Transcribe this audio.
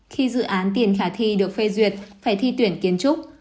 khi dự án tiền khả thi được phê duyệt phải thi tuyển kiến trúc